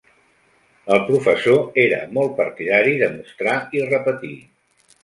El professor era molt partidari de "mostrar i repetir".